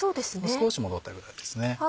少しもどったぐらいですね。